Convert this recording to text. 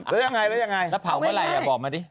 แล้วยังไงแล้วเผาเมื่อไหร่อ่ะบอกมาดิ